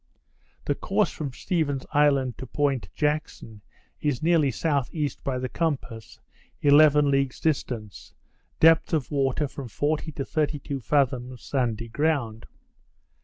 The course from Stephens Island to Point Jackson, is nearly S.E. by the compass, eleven leagues distant, depth of water from forty to thirty two fathoms, sandy ground.